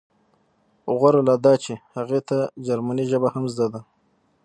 غوره لا دا چې هغې ته جرمني ژبه هم زده ده